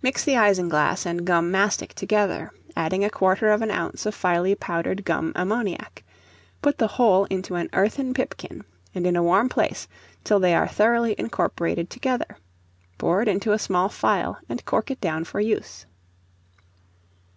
Mix the isinglass and gum mastic together, adding a quarter of an ounce of finely powdered gum ammoniac; put the whole into an earthen pipkin, and in a warm place, till they are thoroughly incorporated together; pour it into a small phial, and cork it down for use.